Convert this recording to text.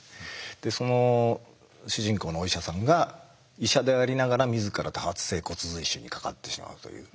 でその主人公のお医者さんが医者でありながら自ら多発性骨髄腫にかかってしまうという。